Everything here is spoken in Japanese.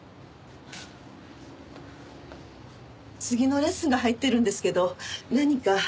次のレッスンが入ってるんですけど何か？